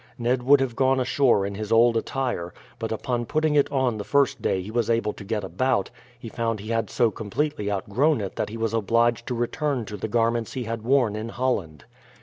Ned would have gone ashore in his old attire; but upon putting it on the first day he was able to get about, he found he had so completely outgrown it that he was obliged to return to the garments he had worn in Holland.